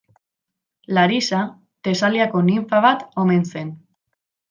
Larisa Tesaliako ninfa bat omen zen.